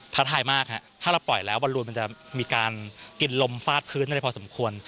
ท้าทายมากถ้าเราปล่อยแล้วบอลลูนมันจะมีการกินลมฟาดพื้นอะไรพอสมควร